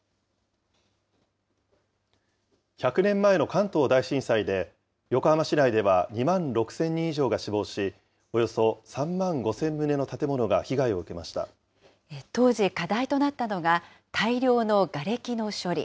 １００年前の関東大震災で、横浜市内では２万６０００人以上が死亡し、およそ３万５０００棟当時、課題となったのが大量のがれきの処理。